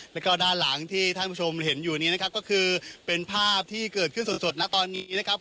แล้วก็ด้านหลังที่ท่านผู้ชมเห็นอยู่นี้นะครับก็คือเป็นภาพที่เกิดขึ้นสดนะตอนนี้นะครับ